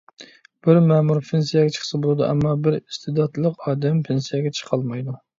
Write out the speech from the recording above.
بىر مەمۇر پېنسىيەگە چىقسا بولىدۇ، ئەمما بىر ئىستېداتلىق ئادەم پېنسىيەگە چىقالمايدۇ.